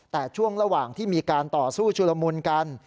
แต่ช่วงระหว่างที่มีการต่อสู้ชุลมุนกัน